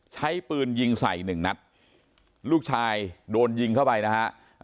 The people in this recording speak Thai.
ใช้ปืนยิงใส่หนึ่งนัดลูกชายโดนยิงเข้าไปนะฮะ